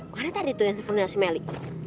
mana tadi tuh yang telfonnya si meli